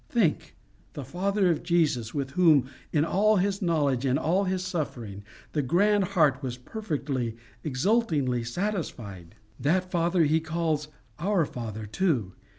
Think: the Father of Jesus, with whom, in all his knowledge and all his suffering, the grand heart was perfectly, exultingly satisfied, that Father he calls our Father too.